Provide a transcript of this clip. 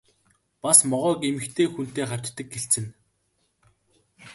Бас могойг эмэгтэй хүнтэй хавьтдаг гэлцэнэ.